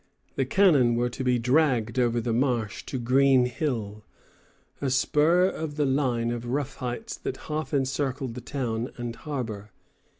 The cannon were to be dragged over the marsh to Green Hill, a spur of the line of rough heights that half encircled the town and harbor.